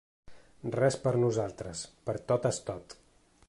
Res per a nosaltres; per a totes, tot.